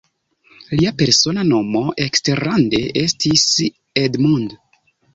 Lia persona nomo eksterlande estis "Edmund".